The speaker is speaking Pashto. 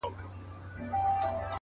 اخلاص د باور تر ټولو قوي بنسټ دی